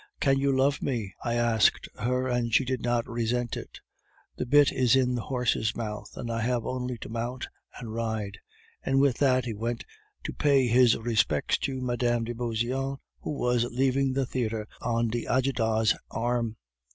"'Can you love me?' I asked her, and she did not resent it. "The bit is in the horse's mouth, and I have only to mount and ride;" and with that he went to pay his respects to Mme. de Beauseant, who was leaving the theatre on d'Ajuda's arm.